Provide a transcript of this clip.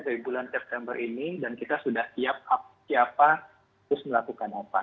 dari bulan september ini dan kita sudah siap siap lakukan